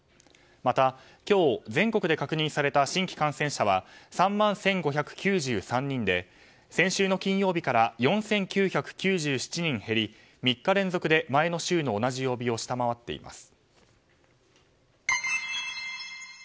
また、今日全国で確認された新規感染者は３万１５９３人で先週の金曜日から４９９７人減り私は炒め物にマヨネーズを使います